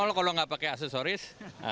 rp kalau tidak pakai aksesoris